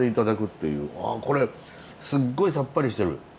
あこれすごいさっぱりしてる。